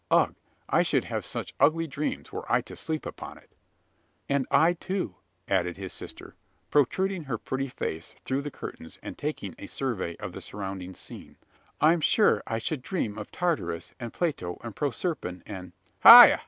"Ugh! I should have such ugly dreams, were I to sleep upon it." "And I, too," added his sister, protruding her pretty face through the curtains, and taking a survey of the surrounding scene: "I'm sure I should dream of Tartarus, and Pluto, and Proserpine, and " "Hya! hya!